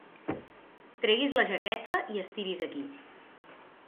Tregui's la jaqueta i estiri's aquí.